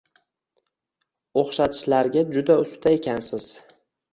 “O’xshatishlarga juda usta ekansiz”